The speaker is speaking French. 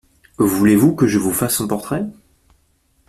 Voulez-vous que je vous fasse son portrait ?